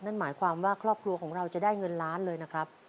นั่นหมายความว่าครอบครัวของเราจะได้เงินล้านเลยนะครับ